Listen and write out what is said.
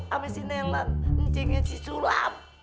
sama si nelan ncingin si sulap